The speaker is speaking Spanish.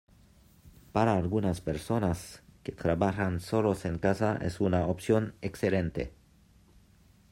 Para algunas personas, que trabajan solos en casa es una opción excelente.